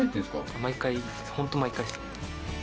毎回ホント毎回。